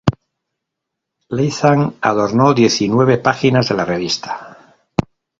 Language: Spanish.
Latham adornó diecinueve páginas de la revista.